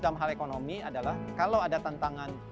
dalam hal ekonomi adalah kalau ada tantangan